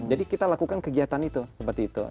jadi kita lakukan kegiatan itu seperti itu